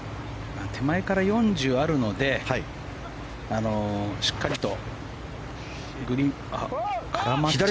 手前から４０あるのでしっかりと。